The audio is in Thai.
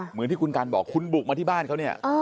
เหมือนที่คุณกันบอกคุณบุกมาที่บ้านเขาเนี่ย